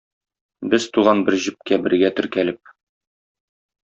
Без туган бер җепкә бергә теркәлеп.